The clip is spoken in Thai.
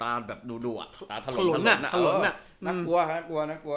น่ากลัวมาก